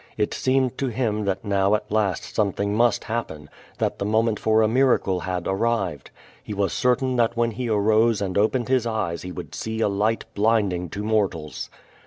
It seemed to him that now at last something must happen, that the moment for a miracle had arrived. He was certain that when he arose and opened his eyes he would see a light blinding to mortals.